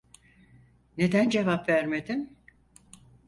Neden cevap vermedin?